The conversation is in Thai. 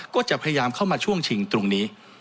ก็จะพยายามเข้ามาช่วงชิงตรงนี้